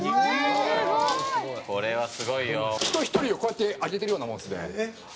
「人１人をこうやって上げてるようなものですね」